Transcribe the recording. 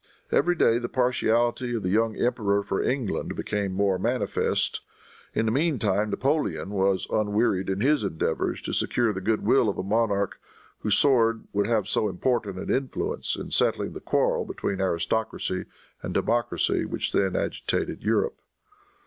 Every day the partiality of the young emperor for England became more manifest. In the meantime Napoleon was unwearied in his endeavors to secure the good will of a monarch whose sword would have so important an influence in settling the quarrel between aristocracy and democracy which then agitated Europe.